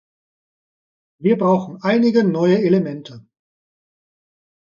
Wir brauchen einige neue Elemente.